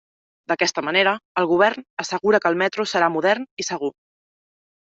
D'aquesta manera, el Govern assegura que el metro serà modern i segur.